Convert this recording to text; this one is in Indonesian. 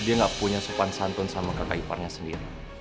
dia gak punya sopan santun sama kakak iparnya sendiri